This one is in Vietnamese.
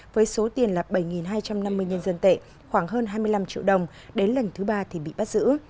với số tiền là bảy hai trăm năm mươi nhân dân tệ khoảng hơn hai mươi năm triệu đồng đến lần thứ ba thì bị bắt giữ